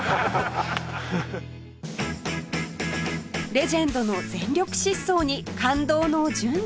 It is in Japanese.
レジェンドの全力疾走に感動の純ちゃん